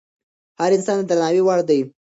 هر انسان د درناوي وړ دی.